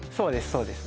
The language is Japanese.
そうです